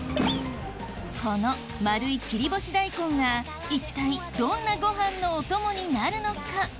この丸い切り干し大根が一体どんなご飯のお供になるのか？